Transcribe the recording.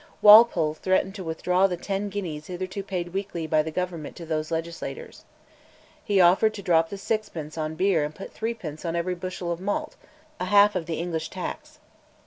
Walpole threatened to withdraw the ten guineas hitherto paid weekly by Government to those legislators. He offered to drop the sixpence on beer and put threepence on every bushel of malt, a half of the English tax.